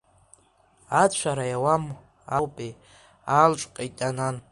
Ацәара иауам аупеи, аалҿҟьеит Анан.